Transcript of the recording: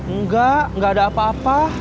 enggak enggak ada apa apa